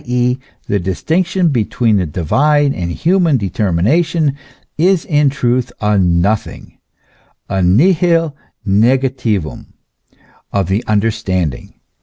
e., the distinction between the divine and human determination is in truth a nothing, a nihil ncffc.tlrum of the understanding.